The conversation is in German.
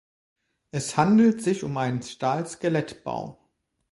Es handelt sich um einen Stahlskelettbau.